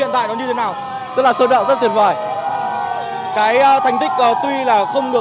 thưa chị là